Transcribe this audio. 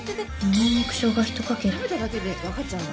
「ニンニクショウガひとかけら」・「食べただけで分かっちゃうの？」